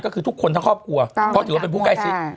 ก็คือทุกคนทั้งครอบครัวเพราะถือว่าเป็นผู้ใกล้ชิด